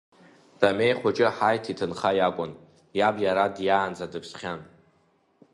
Дамеи хәыҷы Ҳаиҭ иҭынха иакәын, иаб иара диаанӡа дыԥсхьан.